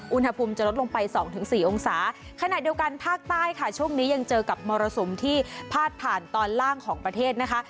อุณหภูมิจะลดลงไปสองถึงสี่องศาขณะเดียวกันภาคใต้ค่ะช่วงนี้ยังเจอกับมรสุมที่พาดผ่านตอนล่างของประเทศนะคะ